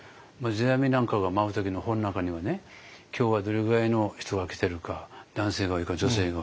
世阿弥なんかが舞う時の本の中にはね今日はどれぐらいの人が来てるか男性が多いか女性が多いか。